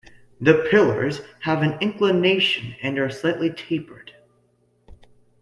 The pillars have an inclination and are slightly tapered.